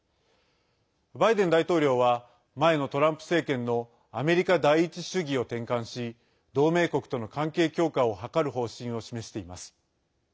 バイデン大統領は前のトランプ政権のアメリカ第一主義を転換し同盟国との関係強化を図る方針を示しています。